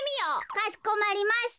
「かしこまりました。